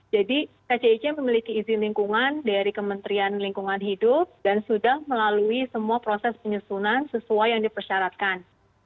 jadi kcic memiliki izin lingkungan dari kementerian lingkungan hidup dan sudah melalui semua proses penyusunan sesuai yang dipersyaratkan